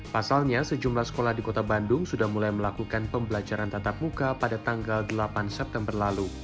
pasalnya sejumlah sekolah di kota bandung sudah mulai melakukan pembelajaran tatap muka pada tanggal delapan september lalu